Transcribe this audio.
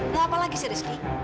mau apalagi seriski